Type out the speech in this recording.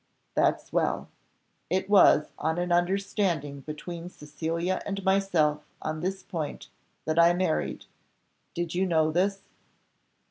"That's well. It was on an understanding between Cecilia and myself on this point, that I married. Did you know this?"